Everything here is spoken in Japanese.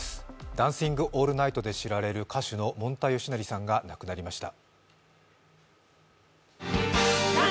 「ダンシング・オールナイト」で知られる歌手のもんたよしのりさんが亡くなりました。